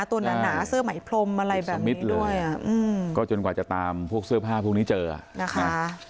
ตัวหนาเสื้อไหมพรมอะไรแบบนี้ด้วยอ่ะอืมจนกว่าจะตามพวกเสื้อผ้าพรุ่งนี้เจออ่ะนะคะ